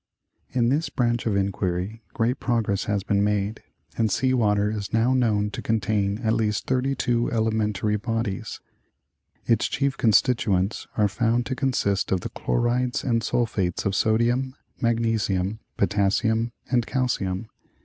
In this branch of inquiry great progress has been made, and sea water is now known to contain at least 32 elementary bodies. Its chief constituents are found to consist of the chlorides and sulphates of sodium, magnesium, potassium and calcium.